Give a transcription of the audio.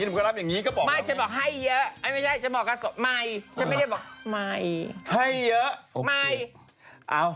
ไม่จะบอกให้เยอะไม่จะบอกให้เยอะ